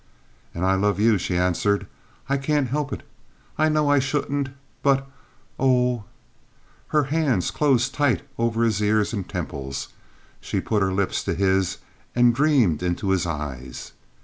"And I love you" she answered. "I can't help it. I know I shouldn't, but—oh—" Her hands closed tight over his ears and temples. She put her lips to his and dreamed into his eyes.